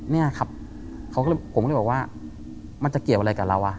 เนี่ยครับผมก็เลยบอกว่ามันจะเกี่ยวอะไรกับเราอ่ะ